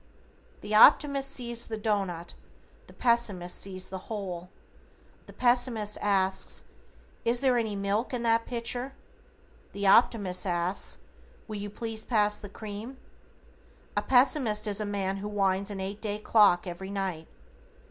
The Optimist sees the doughnut, the Pessimist sees the hole. The Pessimist asks: "Is there any milk in that pitcher?" The Optimist asks: "Will you please pass the cream?" A Pessimist is a man who winds an eight day clock every night.